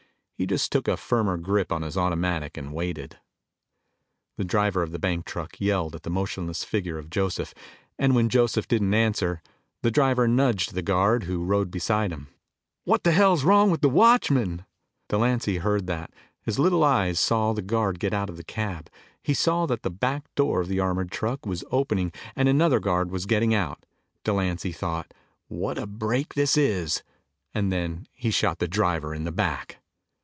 He just took a firmer grip on his automatic and waited. The driver of the bank truck yelled at the motionless figure of Joseph. And when Joseph didn't answer, the driver nudged the guard who rode beside him. "What the hell's wrong with their watchman?" Delancy heard that. His little eyes saw the guard get out of the cab. He saw that the back door of the armored truck was opening and another guard was getting out. Delancy thought, What a break this is! And then he shot the driver in the back.